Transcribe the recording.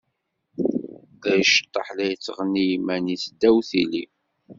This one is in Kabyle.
La iceṭṭeḥ, la yettɣenni i yiman-is ddaw tili.